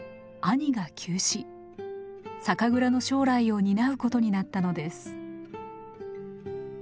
酒蔵の将来を担うことになったのです。